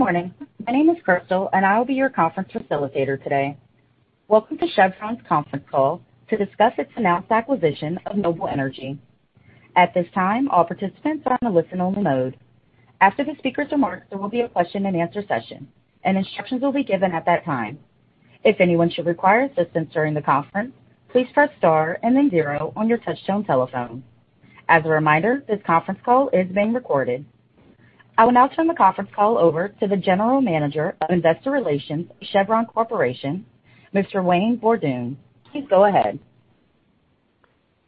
Good morning. My name is Crystal, and I will be your conference facilitator today. Welcome to Chevron's conference call to discuss its announced acquisition of Noble Energy. At this time, all participants are on a listen-only mode. After the speakers remark, there will be a question-and-answer session, and instructions will be given at that time. If anyone should require assistance during the conference, please press star and then zero on your touchtone telephone. As a reminder, this conference call is being recorded. I will now turn the conference call over to the General Manager of Investor Relations, Chevron Corporation, Mr. Wayne Borduin. Please go ahead.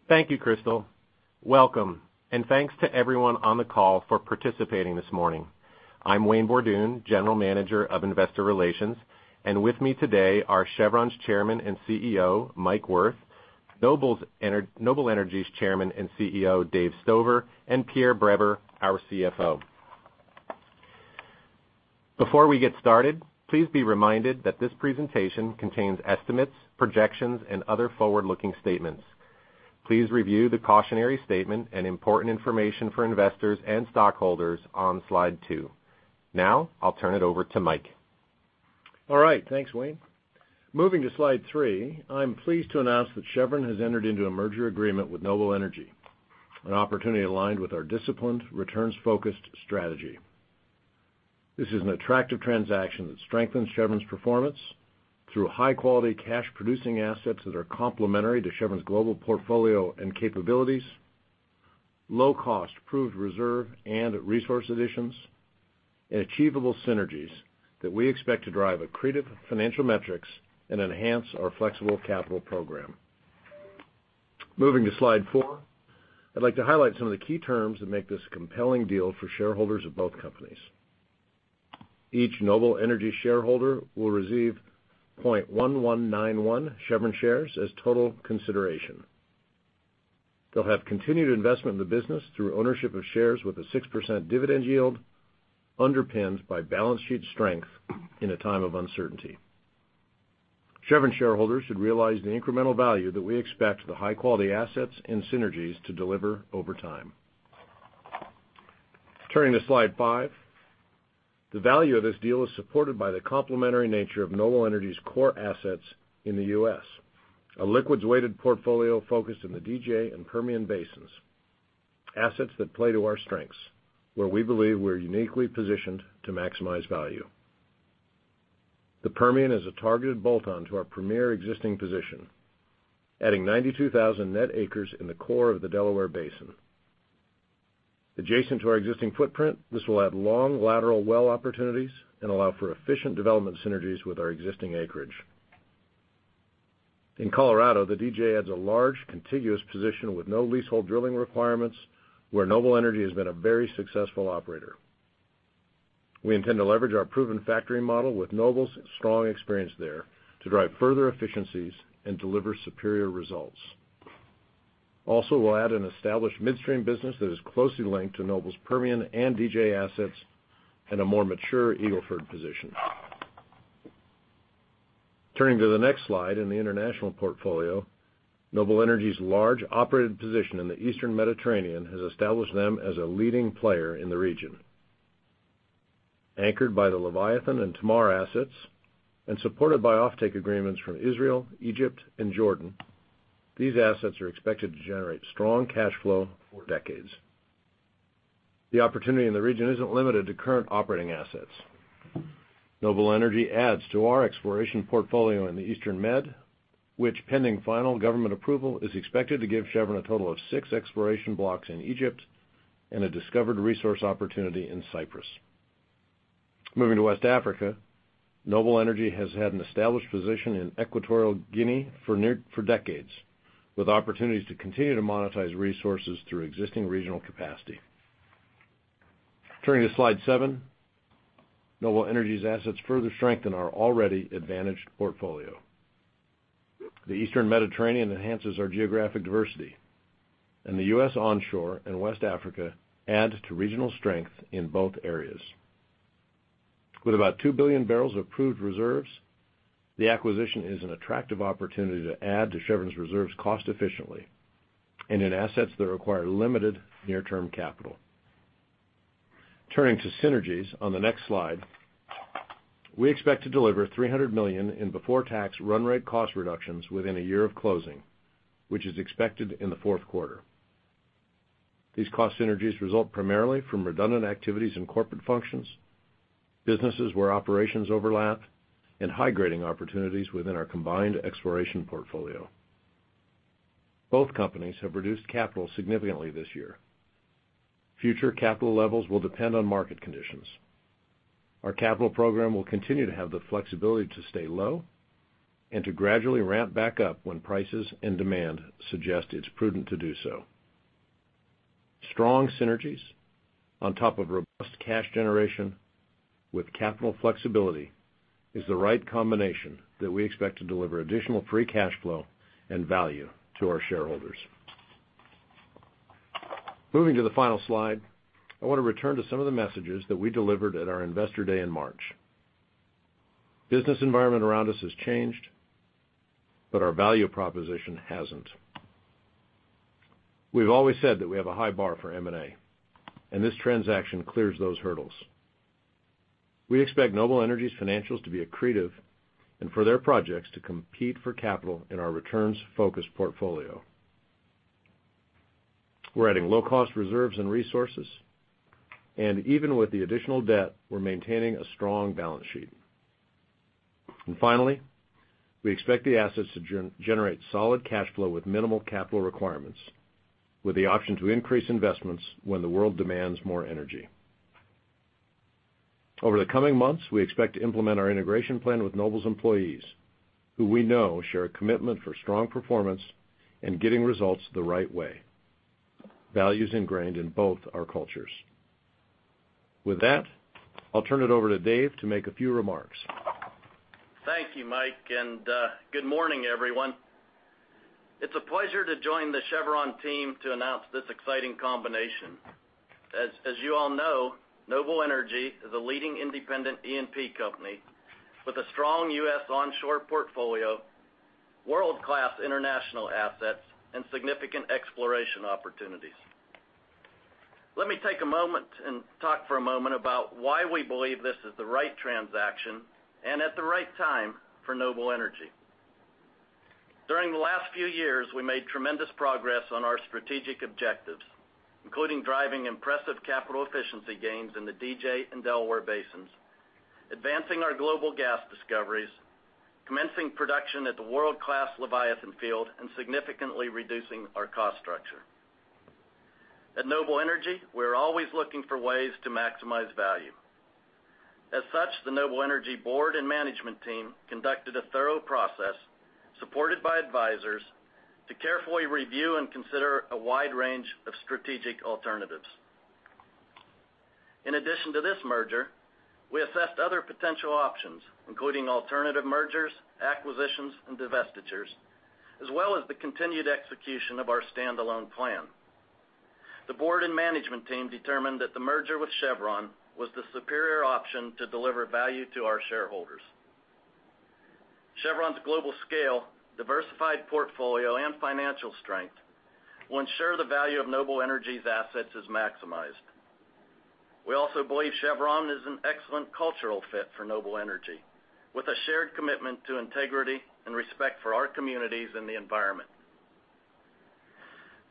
Thank you, Crystal. Welcome, and thanks to everyone on the call for participating this morning. I'm Wayne Borduin, General Manager of Investor Relations, and with me today are Chevron's Chairman and CEO, Mike Wirth, Noble Energy's Chairman and CEO, Dave Stover, and Pierre Breber, our CFO. Before we get started, please be reminded that this presentation contains estimates, projections, and other forward-looking statements. Please review the cautionary statement and important information for investors and stockholders on Slide 2. I'll turn it over to Mike. All right. Thanks, Wayne. Moving to Slide 3. I'm pleased to announce that Chevron has entered into a merger agreement with Noble Energy, an opportunity aligned with our disciplined, returns-focused strategy. This is an attractive transaction that strengthens Chevron's performance through high-quality cash-producing assets that are complementary to Chevron's global portfolio and capabilities, low cost, proved reserve and resource additions, and achievable synergies that we expect to drive accretive financial metrics and enhance our flexible capital program. Moving to Slide 4, I'd like to highlight some of the key terms that make this a compelling deal for shareholders of both companies. Each Noble Energy shareholder will receive 0.1191 Chevron shares as total consideration. They'll have continued investment in the business through ownership of shares with a 6% dividend yield underpinned by balance sheet strength in a time of uncertainty. Chevron shareholders should realize the incremental value that we expect the high-quality assets and synergies to deliver over time. Turning to Slide five. The value of this deal is supported by the complementary nature of Noble Energy's core assets in the U.S., a liquids-weighted portfolio focused in the DJ and Permian basins, assets that play to our strengths, where we believe we're uniquely positioned to maximize value. The Permian is a targeted bolt-on to our premier existing position, adding 92,000 net acres in the core of the Delaware Basin. Adjacent to our existing footprint, this will add long lateral well opportunities and allow for efficient development synergies with our existing acreage. In Colorado, the DJ adds a large contiguous position with no leasehold drilling requirements, where Noble Energy has been a very successful operator. We intend to leverage our proven factory model with Noble's strong experience there to drive further efficiencies and deliver superior results. We'll add an established midstream business that is closely linked to Noble's Permian and DJ assets in a more mature Eagle Ford position. Turning to the next slide in the international portfolio, Noble Energy's large operated position in the Eastern Mediterranean has established them as a leading player in the region. Anchored by the Leviathan and Tamar assets and supported by offtake agreements from Israel, Egypt, and Jordan, these assets are expected to generate strong cash flow for decades. The opportunity in the region isn't limited to current operating assets. Noble Energy adds to our exploration portfolio in the Eastern Med, which, pending final government approval, is expected to give Chevron a total of six exploration blocks in Egypt and a discovered resource opportunity in Cyprus. Moving to West Africa, Noble Energy has had an established position in Equatorial Guinea for decades, with opportunities to continue to monetize resources through existing regional capacity. Turning to Slide 7, Noble Energy's assets further strengthen our already advantaged portfolio. The Eastern Mediterranean enhances our geographic diversity, and the U.S. onshore and West Africa add to regional strength in both areas. With about 2 billion barrels of proved reserves, the acquisition is an attractive opportunity to add to Chevron's reserves cost efficiently and in assets that require limited near-term capital. Turning to synergies on the next slide, we expect to deliver $300 million in before-tax run rate cost reductions within a year of closing, which is expected in the fourth quarter. These cost synergies result primarily from redundant activities in corporate functions, businesses where operations overlap, and high-grading opportunities within our combined exploration portfolio. Both companies have reduced capital significantly this year. Future capital levels will depend on market conditions. Our capital program will continue to have the flexibility to stay low and to gradually ramp back up when prices and demand suggest it's prudent to do so. Strong synergies on top of robust cash generation with capital flexibility is the right combination that we expect to deliver additional free cash flow and value to our shareholders. Moving to the final slide, I want to return to some of the messages that we delivered at our Investor Day in March. Business environment around us has changed, but our value proposition hasn't. We've always said that we have a high bar for M&A, and this transaction clears those hurdles. We expect Noble Energy's financials to be accretive and for their projects to compete for capital in our returns-focused portfolio. We're adding low-cost reserves and resources, and even with the additional debt, we're maintaining a strong balance sheet. Finally, we expect the assets to generate solid cash flow with minimal capital requirements, with the option to increase investments when the world demands more energy. Over the coming months, we expect to implement our integration plan with Noble's employees, who we know share a commitment for strong performance and getting results the right way, values ingrained in both our cultures. With that, I'll turn it over to Dave to make a few remarks. Thank you, Mike. Good morning, everyone. It's a pleasure to join the Chevron team to announce this exciting combination. As you all know, Noble Energy is a leading independent E&P company with a strong U.S. onshore portfolio, world-class international assets, and significant exploration opportunities. Let me take a moment and talk for a moment about why we believe this is the right transaction and at the right time for Noble Energy. During the last few years, we made tremendous progress on our strategic objectives, including driving impressive capital efficiency gains in the DJ and Delaware Basins, advancing our global gas discoveries, commencing production at the world-class Leviathan field, and significantly reducing our cost structure. At Noble Energy, we're always looking for ways to maximize value. The Noble Energy board and management team conducted a thorough process, supported by advisors, to carefully review and consider a wide range of strategic alternatives. In addition to this merger, we assessed other potential options, including alternative mergers, acquisitions, and divestitures, as well as the continued execution of our standalone plan. The board and management team determined that the merger with Chevron was the superior option to deliver value to our shareholders. Chevron's global scale, diversified portfolio, and financial strength will ensure the value of Noble Energy's assets is maximized. We also believe Chevron is an excellent cultural fit for Noble Energy, with a shared commitment to integrity and respect for our communities and the environment.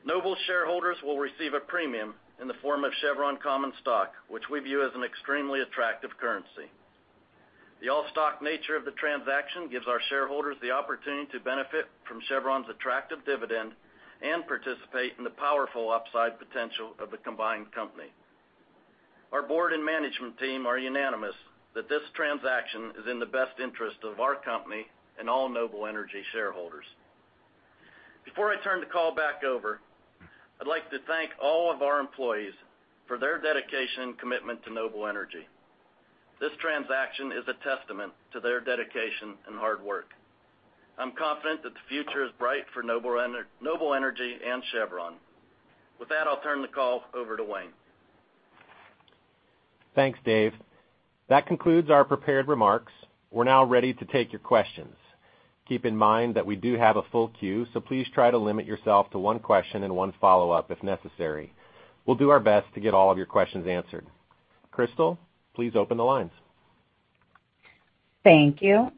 Noble shareholders will receive a premium in the form of Chevron common stock, which we view as an extremely attractive currency. The all-stock nature of the transaction gives our shareholders the opportunity to benefit from Chevron's attractive dividend and participate in the powerful upside potential of the combined company. Our board and management team are unanimous that this transaction is in the best interest of our company and all Noble Energy shareholders. Before I turn the call back over, I'd like to thank all of our employees for their dedication and commitment to Noble Energy. This transaction is a testament to their dedication and hard work. I'm confident that the future is bright for Noble Energy and Chevron. With that, I'll turn the call over to Wayne. Thanks, Dave. That concludes our prepared remarks. We're now ready to take your questions. Keep in mind that we do have a full queue, so please try to limit yourself to one question and one follow-up if necessary. We'll do our best to get all of your questions answered. Crystal, please open the lines. Thank you.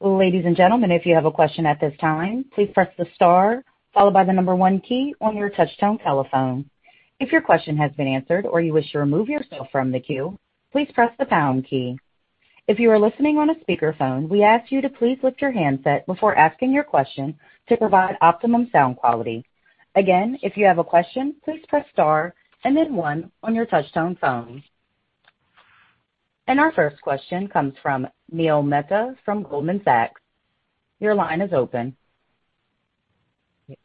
Ladies and gentlemen, if you have a question at this time, please press the star followed by the number one key on your touch-tone telephone. If your question has been answered or you wish to remove yourself from the queue, please press the pound key. If you are listening on a speakerphone, we ask you to please lift your handset before asking your question to provide optimum sound quality. Again, if you have a question, please press star and then one on your touch-tone phone. Our first question comes from Neil Mehta from Goldman Sachs. Your line is open.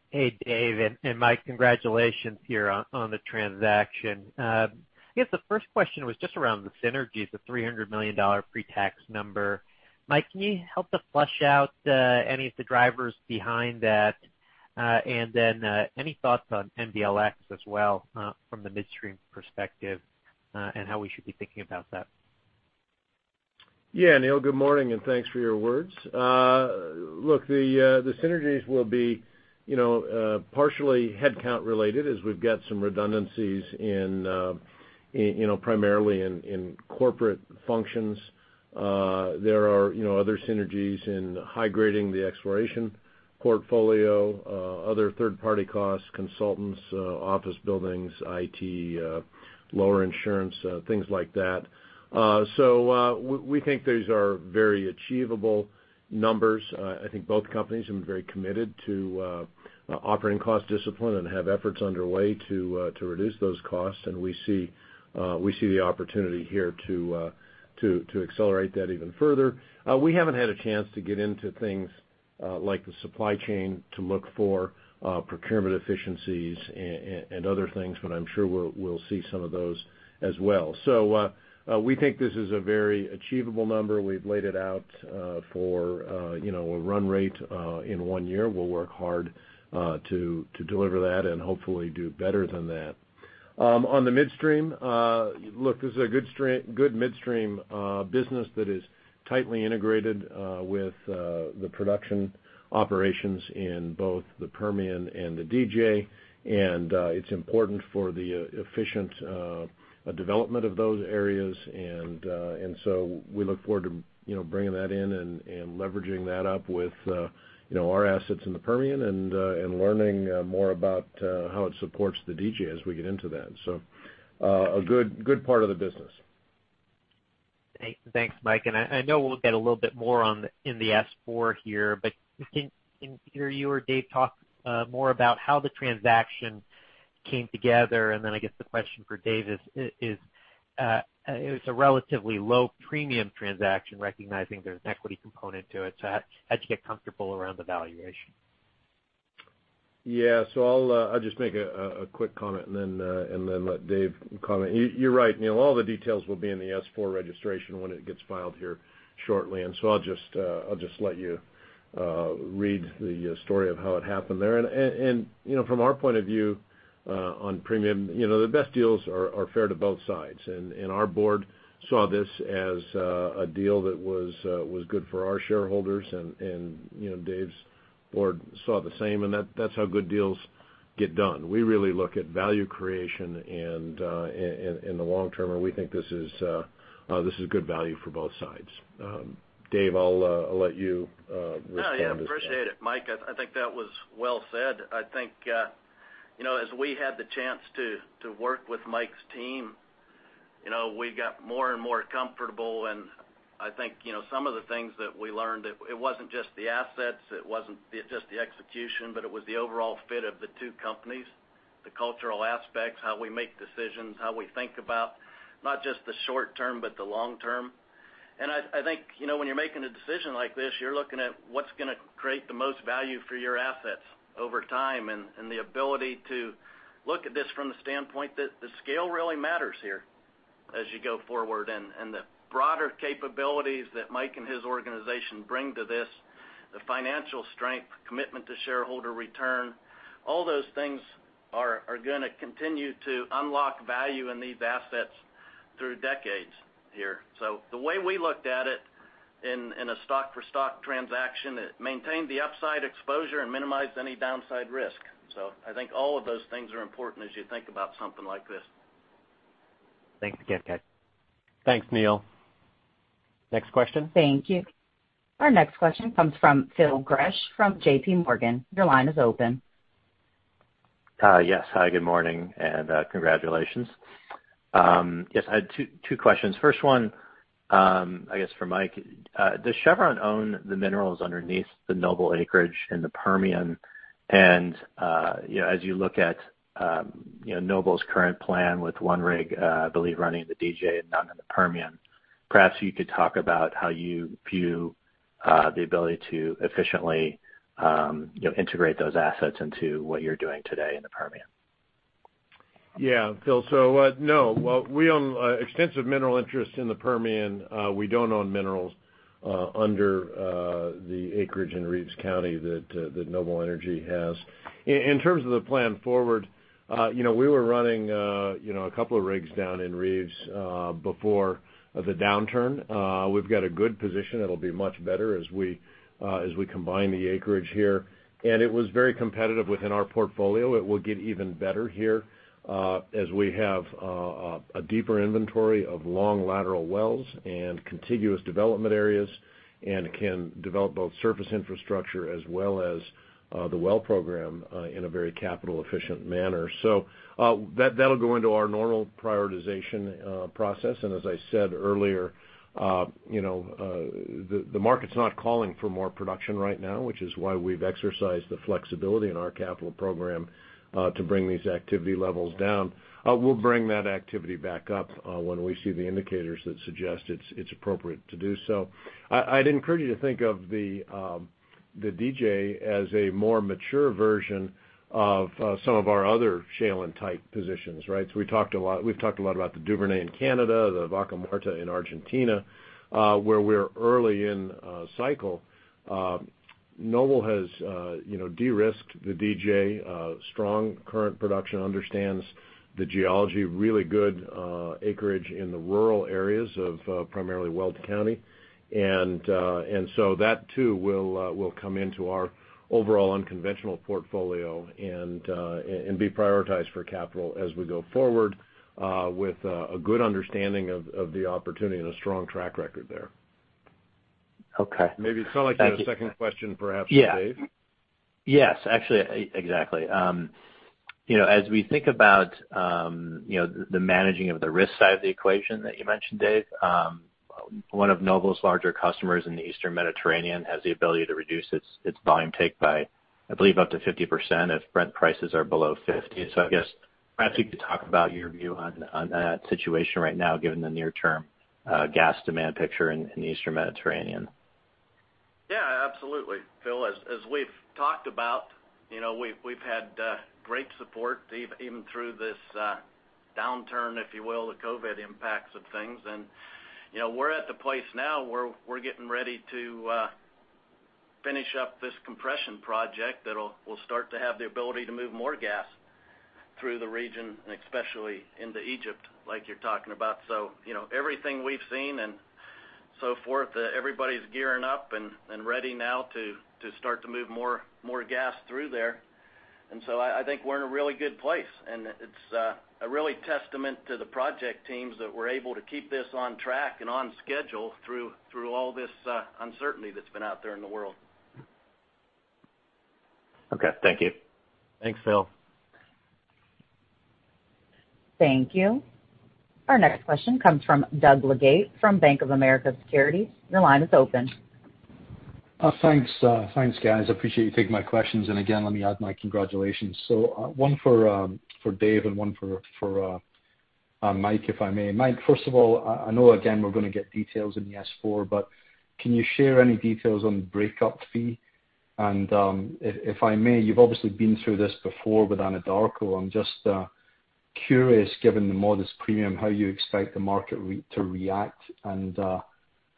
Hey, Dave and Mike. Congratulations here on the transaction. I guess the first question was just around the synergies, the $300 million pre-tax number. Mike, can you help to flush out any of the drivers behind that? Any thoughts on NBLX as well from the midstream perspective and how we should be thinking about that? Yeah, Neil, good morning, and thanks for your words. Look, the synergies will be partially headcount related as we've got some redundancies primarily in corporate functions. There are other synergies in high-grading the exploration portfolio other third-party costs, consultants office buildings, IT lower insurance, things like that. We think these are very achievable numbers. I think both companies have been very committed to operating cost discipline and have efforts underway to reduce those costs, and we see the opportunity here to accelerate that even further. We haven't had a chance to get into things like the supply chain to look for procurement efficiencies and other things, but I'm sure we'll see some of those as well. We think this is a very achievable number. We've laid it out for a run rate in one year. We'll work hard to deliver that and hopefully do better than that. On the midstream, look, this is a good midstream business that is tightly integrated with the production operations in both the Permian and the DJ. It's important for the efficient development of those areas. We look forward to bringing that in and leveraging that up with our assets in the Permian and learning more about how it supports the DJ as we get into that. A good part of the business. Thanks, Mike. I know we'll get a little bit more in the S-4 here, but can either you or Dave talk more about how the transaction came together? I guess the question for Dave is it was a relatively low premium transaction, recognizing there's an equity component to it. How'd you get comfortable around the valuation? Yeah. I'll just make a quick comment and then let Dave comment. You're right, Neil, all the details will be in the S-4 registration when it gets filed here shortly. I'll just let you read the story of how it happened there. From our point of view on premium, the best deals are fair to both sides. Our board saw this as a deal that was good for our shareholders, and Dave's board saw the same, and that's how good deals get done. We really look at value creation in the long term, and we think this is good value for both sides. Dave, I'll let you respond as well. Yeah. I appreciate it, Mike. I think that was well said. I think as we had the chance to work with Mike's team, we got more and more comfortable, and I think some of the things that we learned, it wasn't just the assets, it wasn't just the execution, but it was the overall fit of the two companies, the cultural aspects, how we make decisions, how we think about not just the short term, but the long term. I think when you're making a decision like this, you're looking at what's going to create the most value for your assets over time, and the ability to look at this from the standpoint that the scale really matters here as you go forward. The broader capabilities that Mike and his organization bring to this, the financial strength, commitment to shareholder return, all those things are going to continue to unlock value in these assets through decades here. The way we looked at it in a stock-for-stock transaction, it maintained the upside exposure and minimized any downside risk. I think all of those things are important as you think about something like this. Thanks again, Dave. Thanks, Neil. Next question. Thank you. Our next question comes from Philip Gresh from J.P. Morgan. Your line is open. Yes. Hi, good morning, and congratulations. Yes, I had two questions. First one, I guess for Mike. Does Chevron own the minerals underneath the Noble acreage in the Permian? As you look at Noble's current plan with one rig I believe running in the DJ and none in the Permian, perhaps you could talk about how you view the ability to efficiently integrate those assets into what you're doing today in the Permian. Yeah. Phil. No. We own extensive mineral interests in the Permian. We don't own minerals under the acreage in Reeves County that Noble Energy has. In terms of the plan forward, we were running a couple of rigs down in Reeves before the downturn. We've got a good position that'll be much better as we combine the acreage here. It was very competitive within our portfolio. It will get even better here as we have a deeper inventory of long lateral wells and contiguous development areas and can develop both surface infrastructure as well as the well program in a very capital-efficient manner. That'll go into our normal prioritization process. As I said earlier the market's not calling for more production right now, which is why we've exercised the flexibility in our capital program to bring these activity levels down. We'll bring that activity back up when we see the indicators that suggest it's appropriate to do so. I'd encourage you to think of the DJ as a more mature version of some of our other shale and tight positions, right? We've talked a lot about the Duvernay in Canada, the Vaca Muerta in Argentina where we're early in a cycle. Noble has de-risked the DJ. Strong current production, understands the geology, really good acreage in the rural areas of primarily Weld County. That too will come into our overall unconventional portfolio and be prioritized for capital as we go forward with a good understanding of the opportunity and a strong track record there. Okay. Thank you. Maybe it felt like there was a second question perhaps for Dave? Actually, exactly. As we think about the managing of the risk side of the equation that you mentioned, Dave, one of Noble's larger customers in the Eastern Mediterranean has the ability to reduce its volume take by, I believe, up to 50% if Brent prices are below $50. I guess perhaps you could talk about your view on that situation right now given the near-term gas demand picture in the Eastern Mediterranean. Absolutely. Phil, as we've talked about we've had great support even through this downturn, if you will, the COVID impacts of things. We're at the place now where we're getting ready to finish up this compression project that'll start to have the ability to move more gas through the region, and especially into Egypt, like you're talking about. Everything we've seen and so forth, everybody's gearing up and ready now to start to move more gas through there. I think we're in a really good place, and it's a really testament to the project teams that we're able to keep this on track and on schedule through all this uncertainty that's been out there in the world. Okay. Thank you. Thanks, Phil. Thank you. Our next question comes from Doug Leggate from Bank of America Securities. Your line is open. Thanks. Thanks, guys. Appreciate you taking my questions. Again, let me add my congratulations. One for Dave and one for Mike, if I may. Mike, first of all, I know again we're going to get details in the S-4, but can you share any details on the breakup fee? If I may, you've obviously been through this before with Anadarko. I'm just curious, given the modest premium, how you expect the market to react, and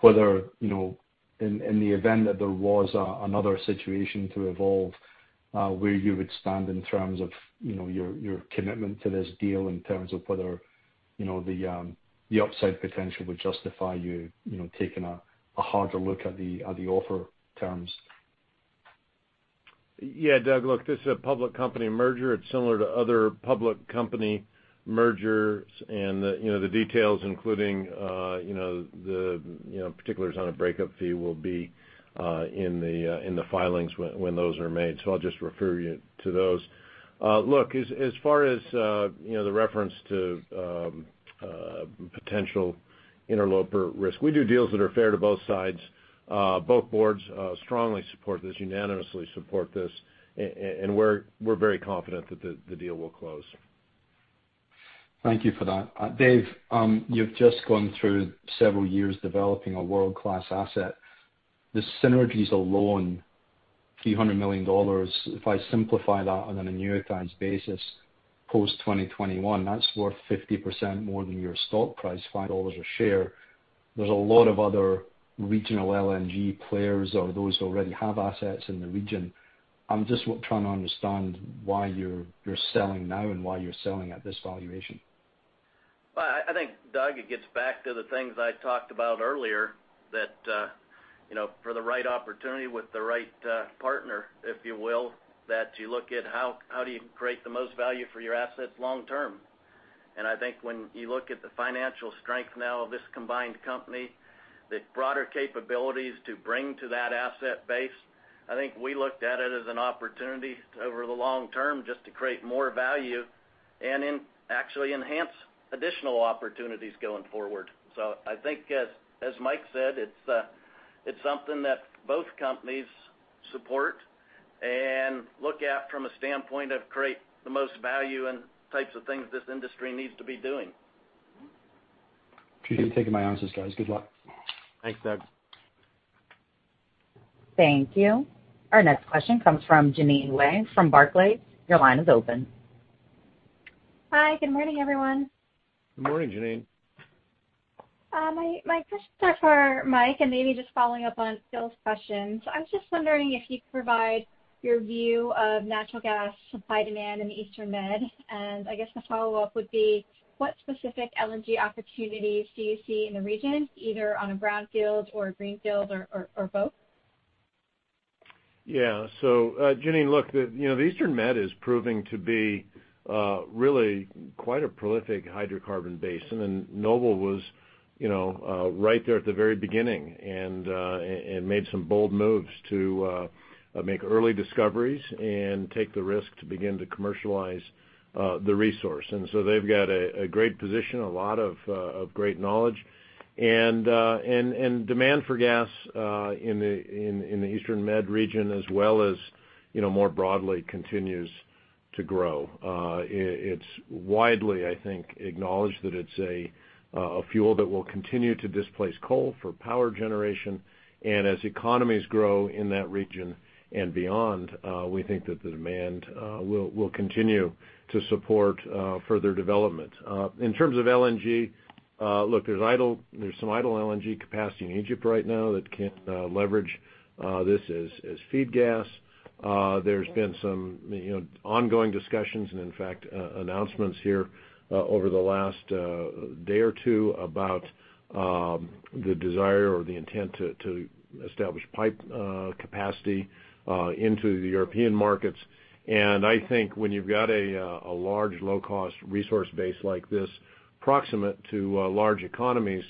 whether, in the event that there was another situation to evolve where you would stand in terms of your commitment to this deal in terms of whether the upside potential would justify you taking a harder look at the offer terms. Doug, this is a public company merger. It's similar to other public company mergers and the details, including the particulars on a breakup fee will be in the filings when those are made. I'll just refer you to those. As far as the reference to potential interloper risk, we do deals that are fair to both sides. Both boards strongly support this, unanimously support this, and we're very confident that the deal will close. Thank you for that. Dave, you've just gone through several years developing a world-class asset. The synergies alone, $300 million. If I simplify that on an annualized basis, post 2021, that's worth 50% more than your stock price, $5 a share. There's a lot of other regional LNG players or those who already have assets in the region. I'm just trying to understand why you're selling now and why you're selling at this valuation. Well, I think, Doug, it gets back to the things I talked about earlier, that for the right opportunity with the right partner, if you will, that you look at how do you create the most value for your assets long-term. I think when you look at the financial strength now of this combined company, the broader capabilities to bring to that asset base, I think we looked at it as an opportunity over the long term just to create more value and actually enhance additional opportunities going forward. I think as Mike said, it's something that both companies support and look at from a standpoint of create the most value and types of things this industry needs to be doing. Appreciate you taking my answers, guys. Good luck. Thanks, Doug. Thank you. Our next question comes from Jean Ann Ley from Barclays. Your line is open. Hi. Good morning, everyone. Good morning, Jean Ann. My questions are for Mike, and maybe just following up on Phil's questions. I was just wondering if you could provide your view of natural gas supply-demand in the Eastern Med, and I guess the follow-up would be, what specific LNG opportunities do you see in the region, either on a brownfield or a greenfield or both? Yeah. Jean Ann, look, the Eastern Med is proving to be really quite a prolific hydrocarbon basin, and Noble was right there at the very beginning and made some bold moves to make early discoveries and take the risk to begin to commercialize the resource. They've got a great position, a lot of great knowledge. Demand for gas in the Eastern Med region as well as more broadly continues to grow. It's widely, I think, acknowledged that it's a fuel that will continue to displace coal for power generation, and as economies grow in that region and beyond, we think that the demand will continue to support further development. In terms of LNG, look, there's some idle LNG capacity in Egypt right now that can leverage this as feed gas. There's been some ongoing discussions and in fact, announcements here over the last day or two about the desire or the intent to establish pipe capacity into the European markets. I think when you've got a large low-cost resource base like this proximate to large economies,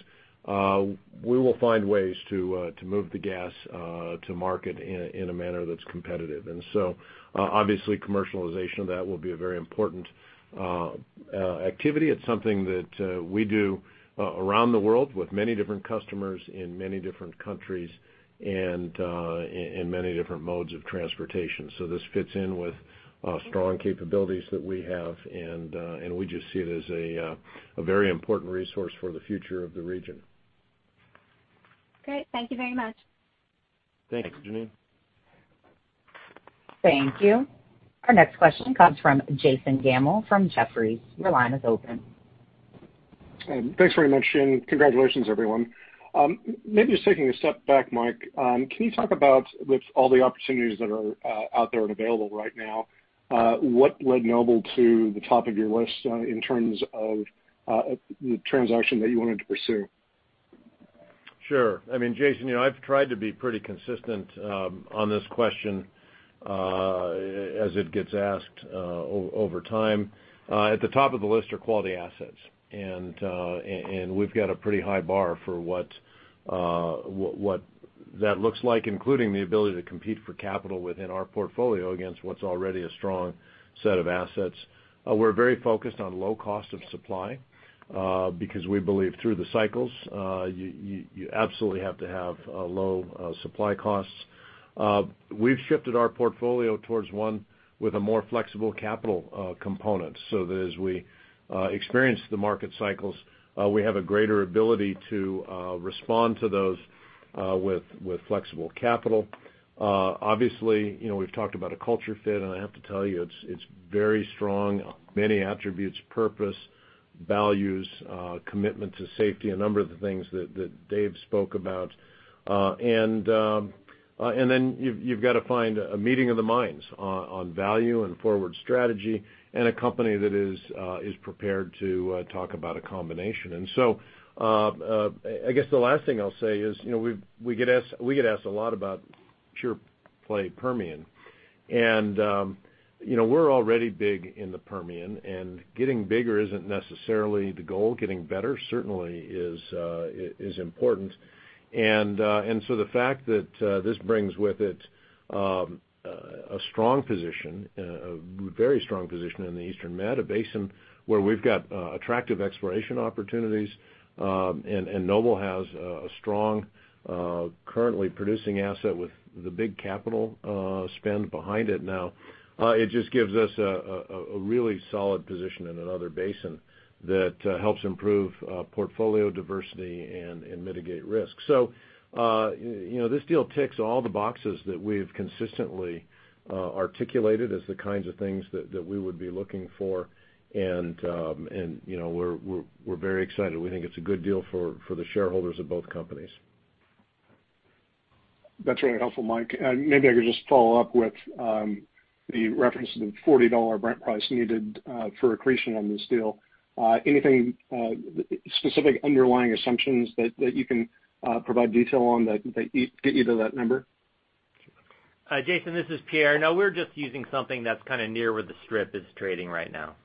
we will find ways to move the gas to market in a manner that's competitive. Obviously commercialization of that will be a very important activity. It's something that we do around the world with many different customers in many different countries and many different modes of transportation. This fits in with strong capabilities that we have, and we just see it as a very important resource for the future of the region. Great. Thank you very much. Thanks, Jeannine. Thank you. Our next question comes from Jason Gammel from Jefferies. Your line is open. Thanks very much, Shin. Congratulations, everyone. Maybe just taking a step back, Mike, can you talk about, with all the opportunities that are out there and available right now, what led Noble to the top of your list in terms of the transaction that you wanted to pursue? Sure. Jason, I've tried to be pretty consistent on this question as it gets asked over time. At the top of the list are quality assets. We've got a pretty high bar for what that looks like, including the ability to compete for capital within our portfolio against what's already a strong set of assets. We're very focused on low cost of supply, because we believe through the cycles, you absolutely have to have low supply costs. We've shifted our portfolio towards one with a more flexible capital component, so that as we experience the market cycles, we have a greater ability to respond to those with flexible capital. Obviously, we've talked about a culture fit, and I have to tell you, it's very strong. Many attributes, purpose, values, commitment to safety, a number of the things that Dave spoke about. You've got to find a meeting of the minds on value and forward strategy and a company that is prepared to talk about a combination. I guess the last thing I'll say is, we get asked a lot about pure play Permian. We're already big in the Permian and getting bigger isn't necessarily the goal. Getting better certainly is important. The fact that this brings with it a very strong position in the Eastern Med, a basin where we've got attractive exploration opportunities, and Noble has a strong, currently producing asset with the big capital spend behind it now. It just gives us a really solid position in another basin that helps improve portfolio diversity and mitigate risk. This deal ticks all the boxes that we've consistently articulated as the kinds of things that we would be looking for, and we're very excited. We think it's a good deal for the shareholders of both companies. That's really helpful, Mike. Maybe I could just follow up with the reference to the $40 Brent price needed for accretion on this deal. Anything, specific underlying assumptions that you can provide detail on that get you to that number? Jason, this is Pierre. No, we're just using something that's kind of near where the strip is trading right now.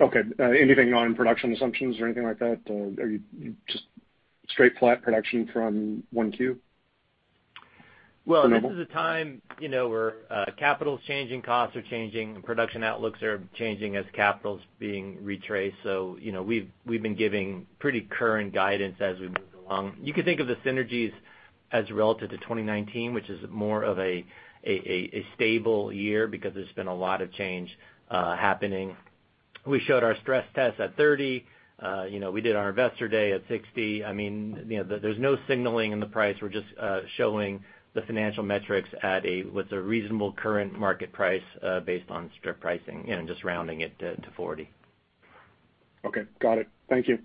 Okay. Anything on production assumptions or anything like that? Are you just straight flat production from 1Q? This is a time where capital's changing, costs are changing, and production outlooks are changing as capital's being retraced. We've been giving pretty current guidance as we move along. You could think of the synergies as relative to 2019, which is more of a stable year, because there's been a lot of change happening. We showed our stress test at 30. We did our investor day at 60. There's no signaling in the price. We're just showing the financial metrics with a reasonable current market price based on strip pricing and just rounding it to 40. Okay, got it. Thank you.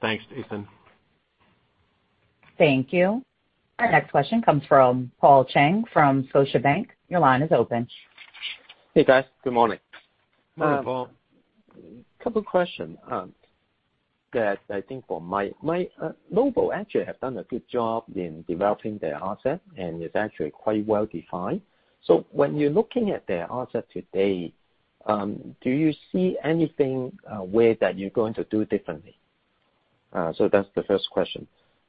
Thanks, Jason. Thank you. Our next question comes from Paul Cheng from Scotiabank. Your line is open. Hey, guys. Good morning. Morning, Paul. Couple questions that I think for Mike. Mike, Noble actually have done a good job in developing their asset, and it's actually quite well-defined. When you're looking at their asset today, do you see anything where that you're going to do differently? That's the first question.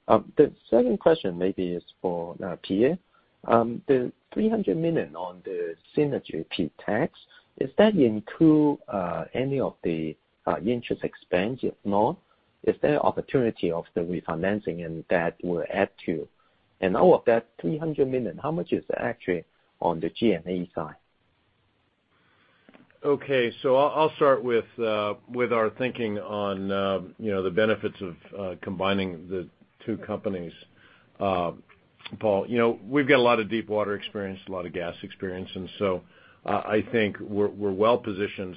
The second question maybe is for Pierre. The $300 million on the synergy pretax, does that include any of the interest expense, if not, is there opportunity of the refinancing and that will add to? Out of that $300 million, how much is actually on the G&A side? I'll start with our thinking on the benefits of combining the two companies, Paul. We've got a lot of deep water experience, a lot of gas experience, and so I think we're well-positioned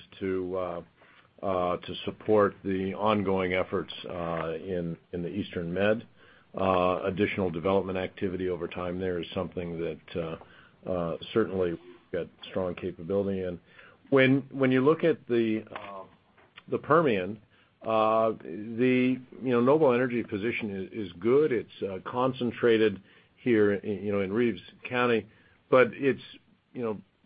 to support the ongoing efforts in the Eastern Med. Additional development activity over time there is something that certainly we've got strong capability in. When you look at the Permian, the Noble Energy position is good. It's concentrated here in Reeves County, but it's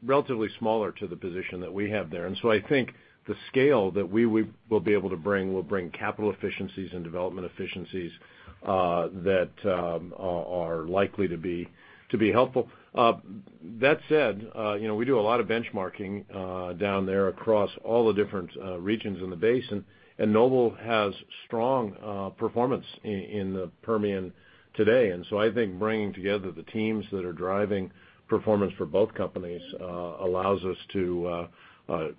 relatively smaller to the position that we have there. I think the scale that we will be able to bring will bring capital efficiencies and development efficiencies that are likely to be helpful. That said, we do a lot of benchmarking down there across all the different regions in the basin, and Noble has strong performance in the Permian today. I think bringing together the teams that are driving performance for both companies allows us to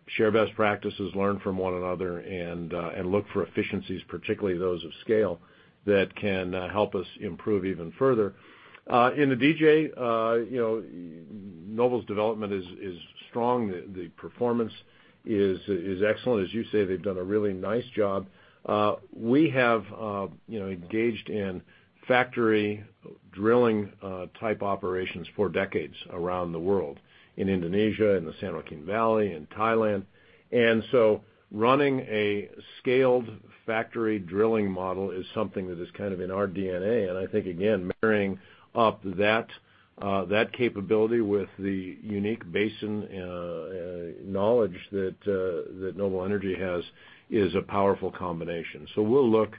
share best practices, learn from one another, and look for efficiencies, particularly those of scale, that can help us improve even further. In the DJ-Noble's development is strong. The performance is excellent. As you say, they've done a really nice job. We have engaged in factory drilling type operations for decades around the world, in Indonesia, in the San Joaquin Valley, in Thailand. Running a scaled factory drilling model is something that is kind of in our DNA. I think, again, marrying up that capability with the unique basin knowledge that Noble Energy has is a powerful combination. We'll look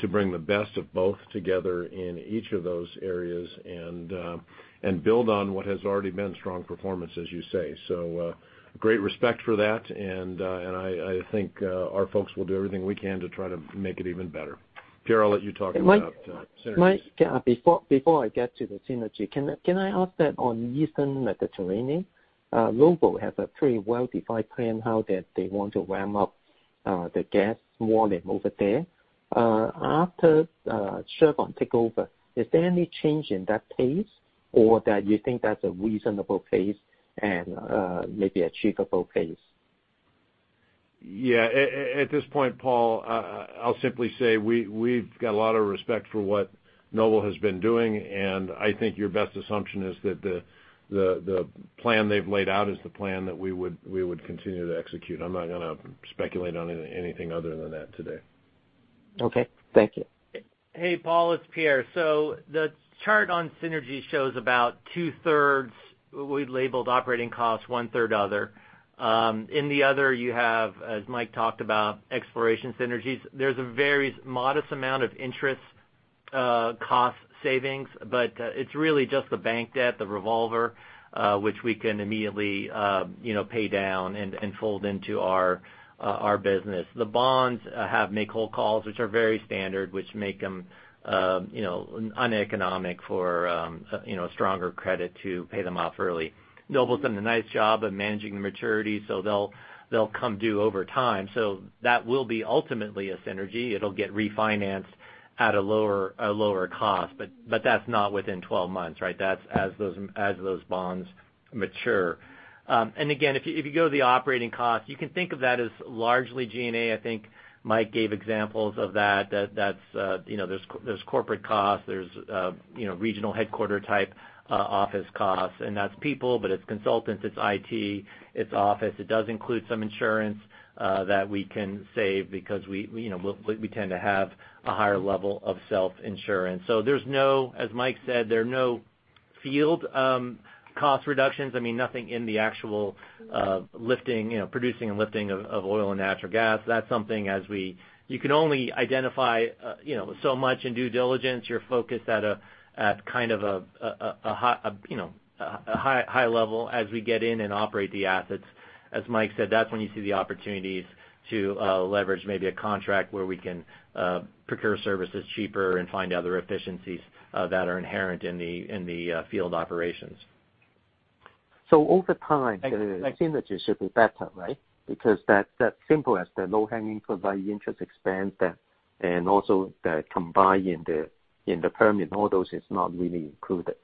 to bring the best of both together in each of those areas and build on what has already been strong performance, as you say. Great respect for that, and I think our folks will do everything we can to try to make it even better. Pierre, I'll let you talk about synergy. Mike, before I get to the synergy, can I ask that on Eastern Mediterranean, Noble has a pretty well-defined plan how that they want to ramp up the gas volume over there. After Chevron takeover, is there any change in that pace or that you think that's a reasonable pace and maybe achievable pace? Yeah. At this point, Paul, I'll simply say we've got a lot of respect for what Noble has been doing, and I think your best assumption is that the plan they've laid out is the plan that we would continue to execute. I'm not going to speculate on anything other than that today. Okay. Thank you. Hey, Paul, it's Pierre. The chart on synergy shows about two-thirds, we've labeled operating costs, one-third other. In the other you have, as Mike talked about, exploration synergies. There's a very modest amount of interest cost savings, but it's really just the bank debt, the revolver, which we can immediately pay down and fold into our business. The bonds have make-whole call, which are very standard, which make them uneconomic for a stronger credit to pay them off early. Noble's done a nice job of managing the maturity, they'll come due over time. That will be ultimately a synergy. It'll get refinanced at a lower cost, but that's not within 12 months, right? That's as those bonds mature. Again, if you go to the operating cost, you can think of that as largely G&A. I think Mike gave examples of that. There's corporate costs, there's regional headquarter type office costs, and that's people, but it's consultants, it's IT, it's office. It does include some insurance that we can save because we tend to have a higher level of self-insurance. There's no, as Mike said, there are no field cost reductions. I mean, nothing in the actual producing and lifting of oil and natural gas. You can only identify so much in due diligence. You're focused at a high level as we get in and operate the assets. As Mike said, that's when you see the opportunities to leverage maybe a contract where we can procure services cheaper and find other efficiencies that are inherent in the field operations. Over time. Ex- The synergy should be better, right? That's simple as the low-hanging fruit, by interest expense, and also the combine in the [permit models] is not really included.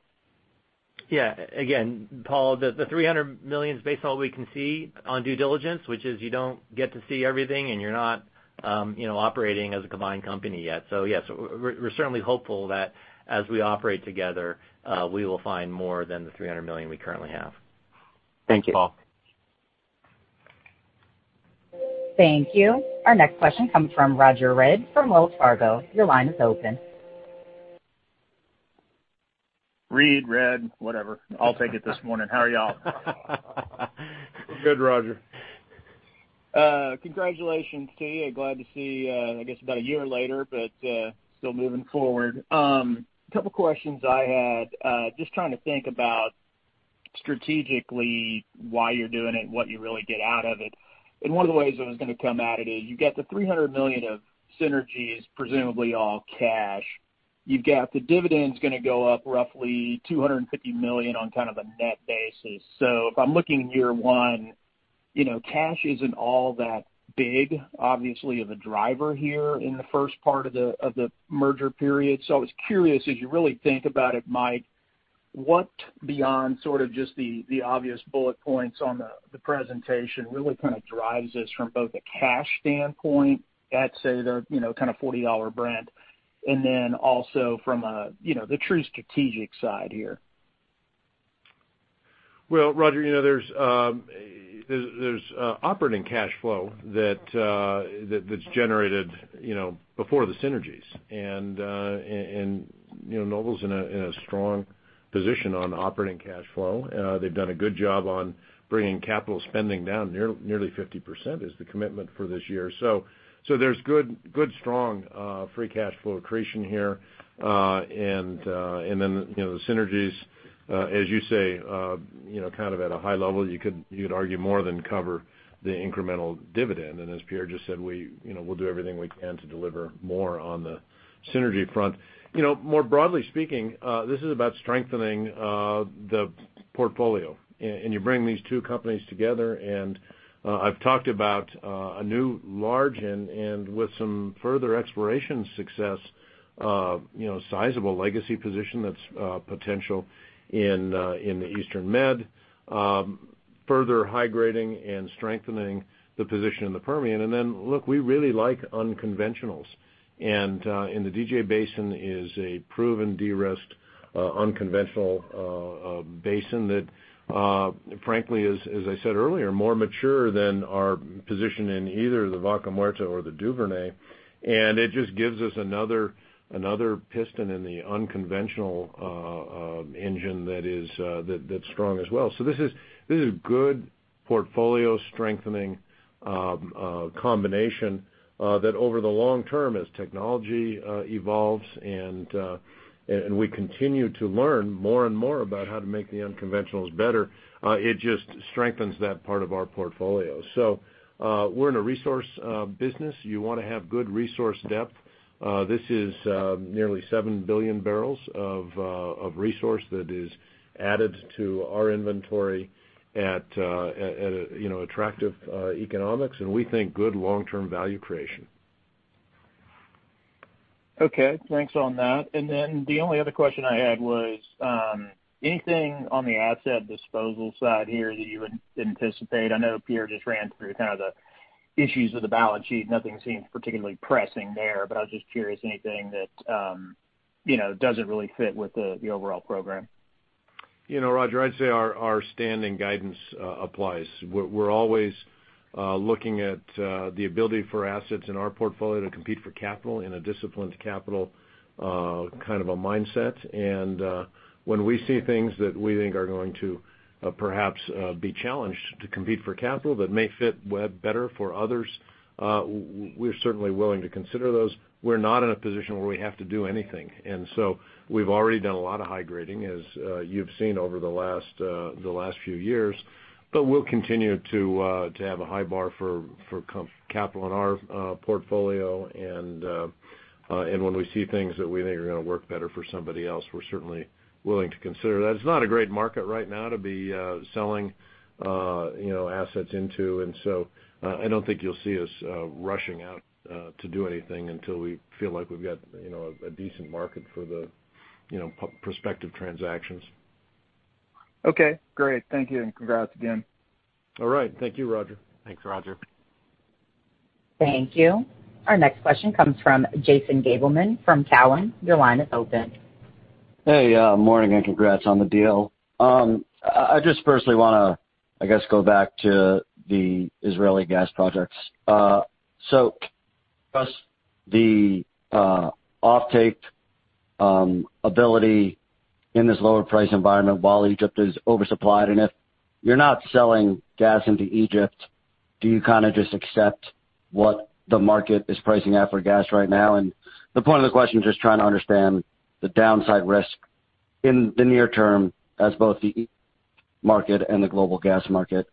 Yeah. Again, Paul, the $300 million is based on what we can see on due diligence, which is you don't get to see everything and you're not operating as a combined company yet. Yes, we're certainly hopeful that as we operate together, we will find more than the $300 million we currently have. Thank you. Paul. Thank you. Our next question comes from Roger Read from Wells Fargo. Your line is open. Read, whatever. I'll take it this morning. How are y'all? Good, Roger. Congratulations to you. Glad to see, I guess about a year later, but still moving forward. Couple questions I had, just trying to think about strategically why you're doing it, what you really get out of it. One of the ways it was going to come at it is you get the $300 million of synergies, presumably all cash. You've got the dividend's going to go up roughly $250 million on kind of a net basis. If I'm looking year one, cash isn't all that big, obviously, of a driver here in the first part of the merger period. I was curious, as you really think about it, Mike, what beyond sort of just the obvious bullet points on the presentation really kind of drives this from both a cash standpoint at, say, the kind of $40 Brent, and then also from the true strategic side here? Well, Roger, there's operating cash flow that's generated before the synergies. Noble's in a strong position on operating cash flow. They've done a good job on bringing capital spending down. Nearly 50% is the commitment for this year. There's good, strong free cash flow accretion here. The synergies, as you say, kind of at a high level, you could argue more than cover the incremental dividend. As Pierre just said, we'll do everything we can to deliver more on the synergy front. More broadly speaking, this is about strengthening the portfolio, and you bring these two companies together and I've talked about a new large and with some further exploration success, sizable legacy position that's potential in the Eastern Med. Further high grading and strengthening the position in the Permian. Look, we really like unconventionals. The DJ Basin is a proven de-risk unconventional basin that, frankly, as I said earlier, more mature than our position in either the Vaca Muerta or the Duvernay, and it just gives us another piston in the unconventional engine that's strong as well. This is good portfolio strengthening combination that over the long term, as technology evolves and we continue to learn more and more about how to make the unconventionals better, it just strengthens that part of our portfolio. We're in a resource business. You want to have good resource depth. This is nearly 7 billion barrels of resource that is added to our inventory at attractive economics, and we think good long-term value creation. Okay. Thanks on that. The only other question I had was, anything on the asset disposal side here that you would anticipate? I know Pierre just ran through kind of the issues with the balance sheet. Nothing seems particularly pressing there, but I was just curious. Anything that doesn't really fit with the overall program? Roger, I'd say our standing guidance applies. We're always looking at the ability for assets in our portfolio to compete for capital in a disciplined capital mindset. When we see things that we think are going to perhaps be challenged to compete for capital that may fit better for others, we're certainly willing to consider those. We're not in a position where we have to do anything. So we've already done a lot of high grading, as you've seen over the last few years. We'll continue to have a high bar for capital in our portfolio, and when we see things that we think are going to work better for somebody else, we're certainly willing to consider that. It's not a great market right now to be selling assets into, and so I don't think you'll see us rushing out to do anything until we feel like we've got a decent market for the prospective transactions. Okay, great. Thank you, and congrats again. All right. Thank you, Roger. Thanks, Roger. Thank you. Our next question comes from Jason Gabelman from Cowen. Your line is open. Hey, morning. Congrats on the deal. I just personally want to, I guess, go back to the Israeli gas projects. Does the offtake ability in this lower price environment, while Egypt is oversupplied, and if you're not selling gas into Egypt, do you kind of just accept what the market is pricing out for gas right now? The point of the question, just trying to understand the downside risk in the near term as both the market and the global gas market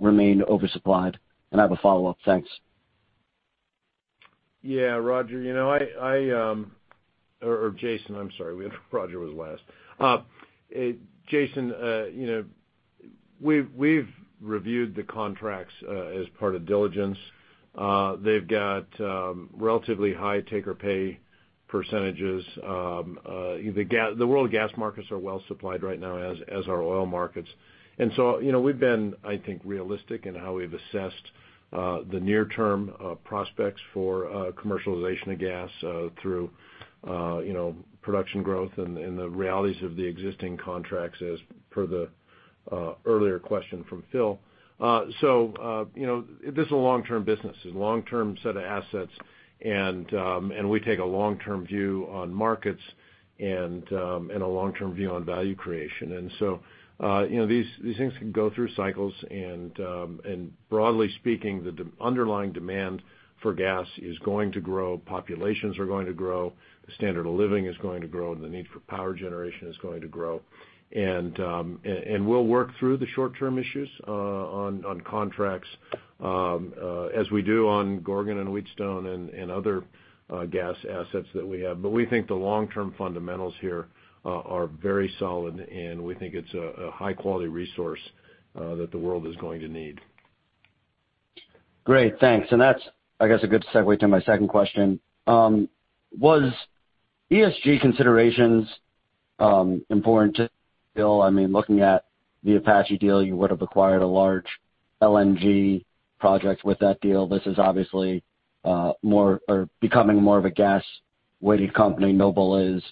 remain oversupplied. I have a follow-up. Thanks. Yeah. Roger, or Jason, I'm sorry. Roger was last. Jason, we've reviewed the contracts as part of diligence. They've got relatively high take-or-pay percentages. The world gas markets are well-supplied right now as our oil markets. We've been, I think, realistic in how we've assessed the near-term prospects for commercialization of gas through production growth and the realities of the existing contracts as per the earlier question from Phil. This is a long-term business. It's a long-term set of assets, and we take a long-term view on markets and a long-term view on value creation. These things can go through cycles, and broadly speaking, the underlying demand for gas is going to grow, populations are going to grow, the standard of living is going to grow, and the need for power generation is going to grow. We'll work through the short-term issues on contracts as we do on Gorgon and Wheatstone and other gas assets that we have. We think the long-term fundamentals here are very solid, and we think it's a high-quality resource that the world is going to need. Great, thanks. That's, I guess, a good segue to my second question. Was ESG considerations important to Phil? I mean, looking at the Apache deal, you would have acquired a large LNG project with that deal. This is obviously becoming more of a gas-weighted company Noble is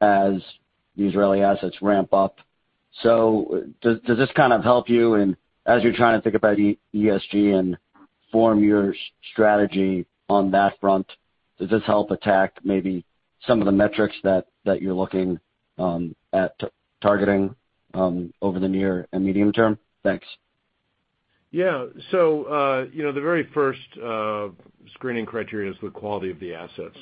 as the Israeli assets ramp up. Does this kind of help you in, as you're trying to think about ESG and form your strategy on that front, does this help attack maybe some of the metrics that you're looking at targeting over the near and medium term? Thanks. Yeah. The very first screening criteria is the quality of the assets.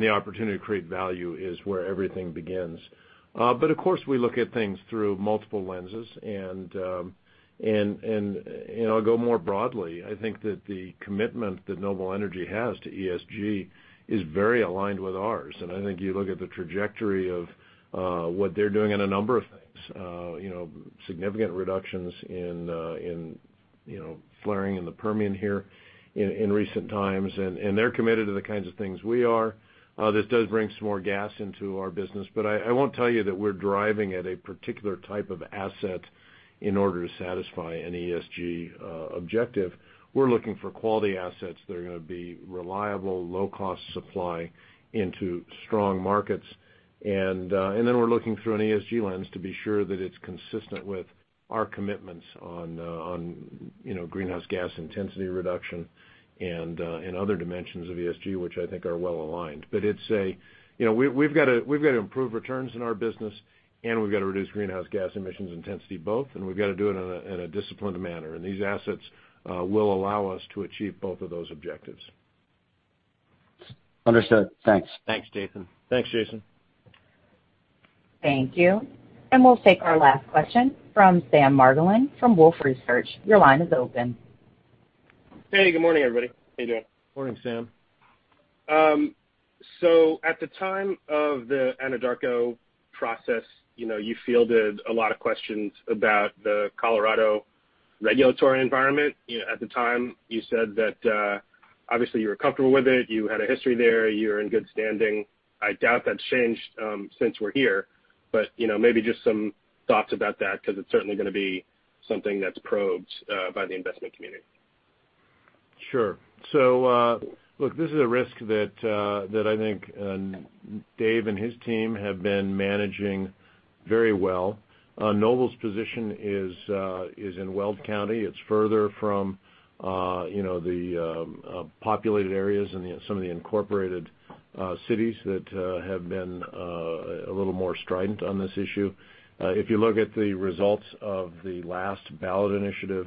The opportunity to create value is where everything begins. Of course, we look at things through multiple lenses and I'll go more broadly. I think that the commitment that Noble Energy has to ESG is very aligned with ours. I think you look at the trajectory of what they're doing in a number of things. Significant reductions in flaring in the Permian here in recent times, and they're committed to the kinds of things we are. This does bring some more gas into our business. I won't tell you that we're driving at a particular type of asset in order to satisfy an ESG objective. We're looking for quality assets that are going to be reliable, low-cost supply into strong markets. We're looking through an ESG lens to be sure that it's consistent with our commitments on greenhouse gas intensity reduction and other dimensions of ESG, which I think are well-aligned. We've got to improve returns in our business, and we've got to reduce greenhouse gas emissions intensity both, and we've got to do it in a disciplined manner. These assets will allow us to achieve both of those objectives. Understood. Thanks. Thanks, Jason. Thanks, Jason. Thank you. We'll take our last question from Sam Margolin from Wolfe Research. Your line is open. Hey, good morning, everybody. How you doing? Morning, Sam. At the time of the Anadarko process, you fielded a lot of questions about the Colorado regulatory environment. At the time, you said that obviously you were comfortable with it, you had a history there, you're in good standing. I doubt that's changed since we're here, but maybe just some thoughts about that because it's certainly going to be something that's probed by the investment community. Sure. Look, this is a risk that I think Dave and his team have been managing very well. Noble's position is in Weld County. It's further from the populated areas and some of the incorporated cities that have been a little more strident on this issue. If you look at the results of the last ballot initiative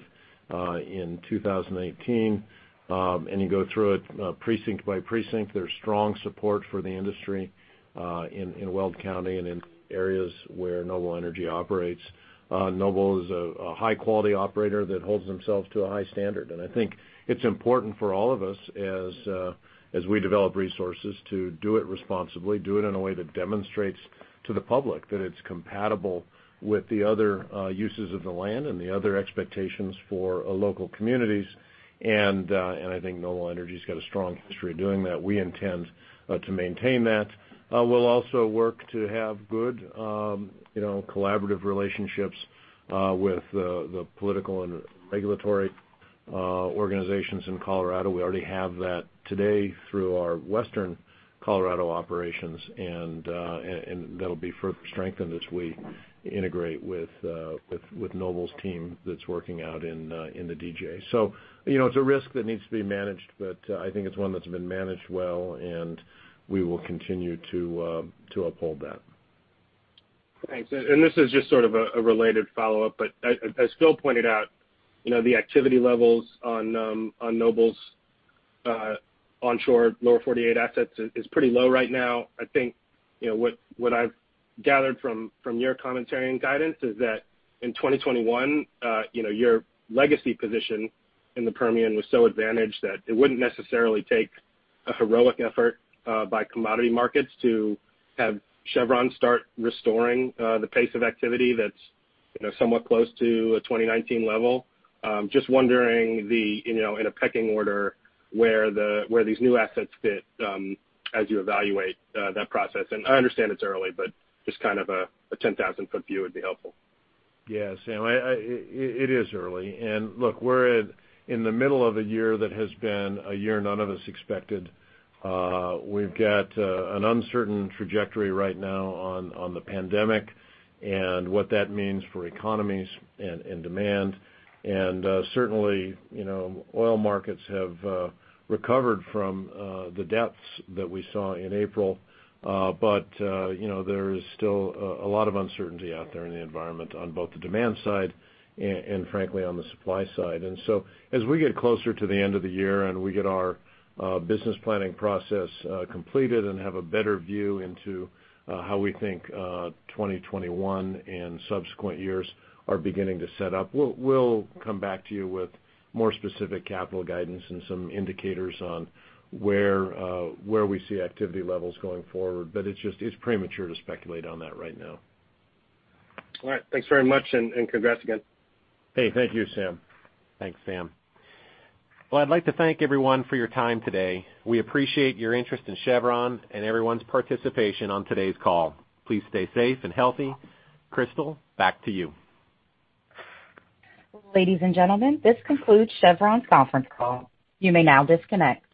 in 2018, you go through it precinct by precinct, there's strong support for the industry in Weld County and in areas where Noble Energy operates. Noble is a high-quality operator that holds themselves to a high standard. I think it's important for all of us as we develop resources to do it responsibly, do it in a way that demonstrates to the public that it's compatible with the other uses of the land and the other expectations for local communities. I think Noble Energy's got a strong history of doing that. We intend to maintain that. We'll also work to have good collaborative relationships with the political and regulatory organizations in Colorado. We already have that today through our Western Colorado operations, and that'll be further strengthened as we integrate with Noble's team that's working out in the DJ. It's a risk that needs to be managed, but I think it's one that's been managed well, and we will continue to uphold that. Thanks. This is just sort of a related follow-up, but as Phil pointed out, the activity levels on Noble's onshore Lower 48 assets is pretty low right now. I think what I've gathered from your commentary and guidance is that in 2021, your legacy position in the Permian was so advantaged that it wouldn't necessarily take a heroic effort by commodity markets to have Chevron start restoring the pace of activity that's somewhat close to a 2019 level. Just wondering in a pecking order where these new assets fit as you evaluate that process. I understand it's early, but just kind of a 10,000-foot view would be helpful. Yeah, Sam, it is early. Look, we're in the middle of a year that has been a year none of us expected. We've got an uncertain trajectory right now on the pandemic and what that means for economies and demand. Certainly, oil markets have recovered from the depths that we saw in April. There is still a lot of uncertainty out there in the environment on both the demand side and frankly, on the supply side. As we get closer to the end of the year and we get our business planning process completed and have a better view into how we think 2021 and subsequent years are beginning to set up, we'll come back to you with more specific capital guidance and some indicators on where we see activity levels going forward. It's premature to speculate on that right now. All right. Thanks very much, and congrats again. Hey, thank you, Sam. Thanks, Sam. Well, I'd like to thank everyone for your time today. We appreciate your interest in Chevron and everyone's participation on today's call. Please stay safe and healthy. Crystal, back to you. Ladies and gentlemen, this concludes Chevron's conference call. You may now disconnect.